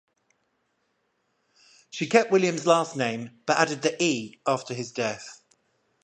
She kept William's last name but added the "e" after his death.